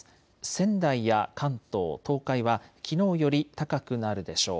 仙台や関東、東海はきのうより高くなるでしょう。